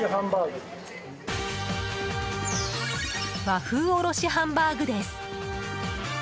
和風おろしハンバーグです。